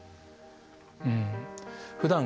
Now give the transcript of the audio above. うん。